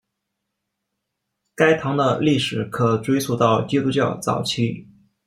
该堂的历史可追溯到基督教早期。